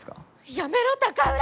やめろ高浦！